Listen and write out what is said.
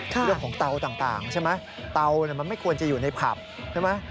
เรื่องของเตาต่างใช่ไหมเตามันไม่ควรจะอยู่ในผับใช่ไหม